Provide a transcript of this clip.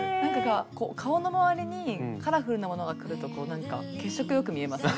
顔の周りにカラフルなものがくるとこうなんか血色よく見えますね。